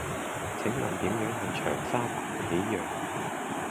請問點樣去長沙灣喜漾